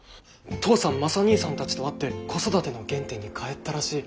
「父さんマサ兄さんたちと会って子育ての原点に返ったらしい。